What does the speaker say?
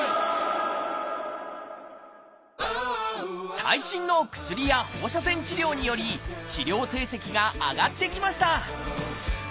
最新の薬や放射線治療により治療成績が上がってきました